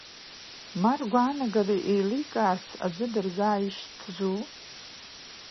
Ма, ргәаанагара еиликаарц, аӡә дырзааишьҭзу?